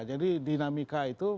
jadi dinamika itu